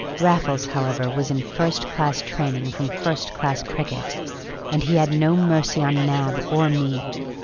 Raffles, however, was in first class training from first class cricket, and he had no mercy on Nab or me.